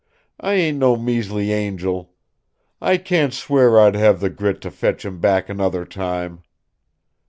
I ain't no measly angel. I can't swear I'd have the grit to fetch him back another time."